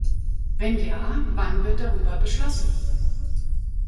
Wenn ja, wann wird darüber beschlossen?